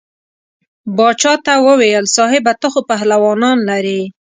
باچا ته وویل صاحبه ته خو پهلوانان لرې.